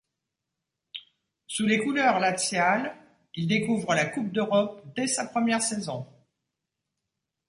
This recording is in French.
Sous les couleurs laziale, il découvre la coupe d'Europe dès sa première saison.